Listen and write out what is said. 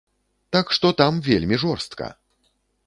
Так што там вельмі жорстка!